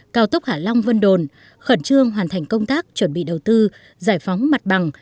cao tốc hạ long vân đồn khẩn trương hoàn thành công tác chuẩn bị đầu tư giải phóng mặt bằng